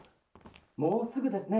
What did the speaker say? もうすぐですね。